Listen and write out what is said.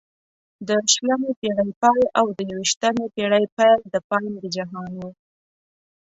د شلمې پېړۍ پای او د یوویشتمې پېړۍ پیل د پانګې جهان وو.